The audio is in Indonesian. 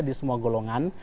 di semua golongan